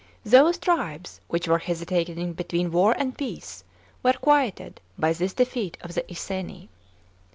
Those tribes which were hesitating between war and peace were quieted by this defeat of the Iceni.